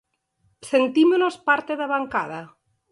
Sentímonos parte da bancada.